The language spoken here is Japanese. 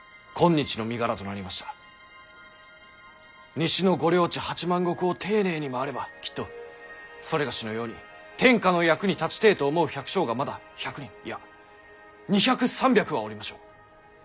西のご領地８万石を丁寧に回ればきっと某のように天下の役に立ちてぇと思う百姓がまだ１００人いや２００３００はおりましょう。